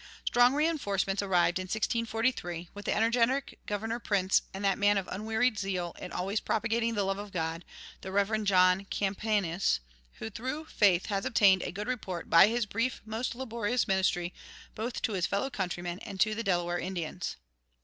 Strong reinforcements arrived in 1643, with the energetic Governor Printz and that man of "unwearied zeal in always propagating the love of God," the Rev. John Campanius, who through faith has obtained a good report by his brief most laborious ministry both to his fellow countrymen and to the Delaware Indians.